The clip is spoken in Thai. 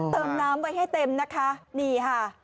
เติมน้ำไว้ให้เต็มนะคะนี่ค่ะ